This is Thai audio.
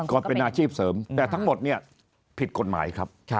ก็เป็นอาชีพเสริมแต่ทั้งหมดเนี่ยผิดกฎหมายครับ